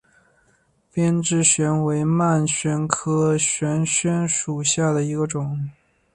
鞭枝悬藓为蔓藓科悬藓属下的一个种。